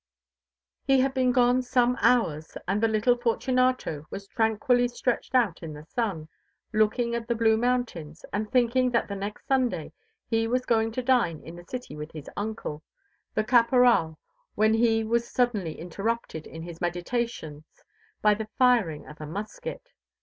He had been gone some hours, and the little Fortunato was tranquilly stretched out in the sun, looking at the blue mountains, and thinking that the next Sunday he was going to dine in the city with his uncle, the Caporal [Note: Civic Official], when he was suddenly interrupted in his meditations by the firing of a musket.